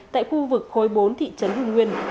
tại khu vực khối bốn thị trấn hương nguyên